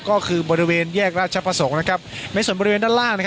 ก็คือบริเวณแยกราชประสงค์นะครับในส่วนบริเวณด้านล่างนะครับ